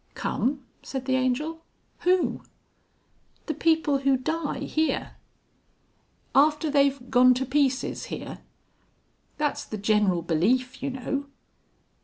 "Come!" said the Angel. "Who?" "The people who die here." "After they've gone to pieces here?" "That's the general belief, you know."